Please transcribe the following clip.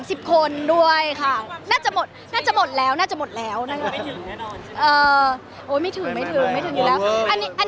มีความสุขไหมคะมีความสุขไหมคะมีความสุขไหมคะ